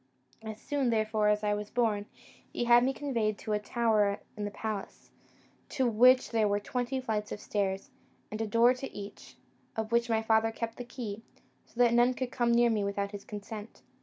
As soon, therefore, as I was born, he had me conveyed to a tower in the palace, to which there were twenty flights of stairs, and a door to each, of which my father kept the key, so that none came near me without his consent.